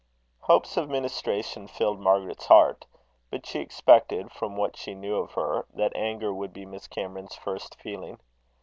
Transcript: Hopes of ministration filled Margaret's heart; but she expected, from what she knew of her, that anger would be Miss Cameron's first feeling.